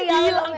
eh gua tak lupa